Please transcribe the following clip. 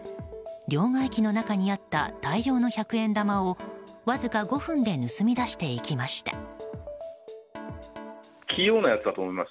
両替機の中にあった大量の百円玉をわずか５分で盗み出していきました。